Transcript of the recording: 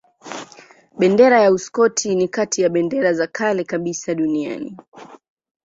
Bendera ya Uskoti ni kati ya bendera za kale kabisa duniani.